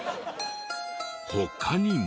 他にも。